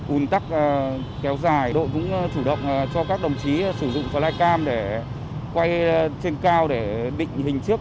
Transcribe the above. un tắc kéo dài đội cũng chủ động cho các đồng chí sử dụng flycam để quay trên cao để định hình trước